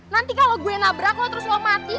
nanti kalau gue nabrak lo terus lo mati